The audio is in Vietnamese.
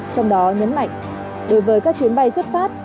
trong đó nhấn mạnh đối với các chuyến bay xuất phát